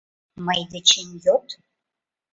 — Мый дечем йод!